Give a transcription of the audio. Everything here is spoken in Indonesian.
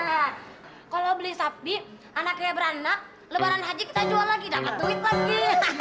nah kalau beli sapi anaknya beranak lebaran haji kita jual lagi dapat duit lagi